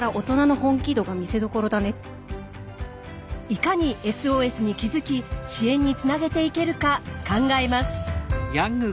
いかにＳＯＳに気づき支援につなげていけるか考えます。